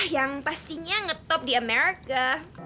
yang pastinya ngetop di amerika